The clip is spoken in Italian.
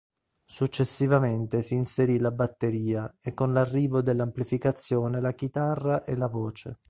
Successivamente si inserì la batteria e con l'arrivo dell'amplificazione la chitarra e la voce.